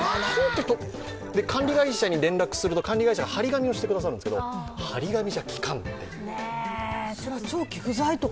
管理会社に連絡をすると管理会社が貼り紙をしてくれるんですけど貼り紙じゃきかんのでね。